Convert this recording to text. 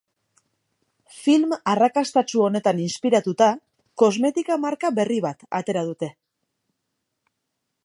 Film arrakastatsu honetan inspiratuta, kosmetika marka berri bat atera dute.